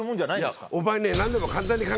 お前ね。